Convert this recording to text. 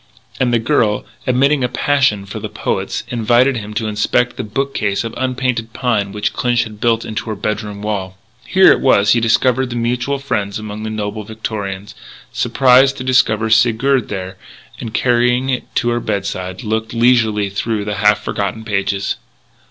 And the girl, admitting a passion for the poets, invited him to inspect the bookcase of unpainted pine which Clinch had built into her bedroom wall. Here it was he discovered mutual friends among the nobler Victorians surprised to discover Sigurd there and, carrying it to her bedside, looked leisurely through the half forgotten pages.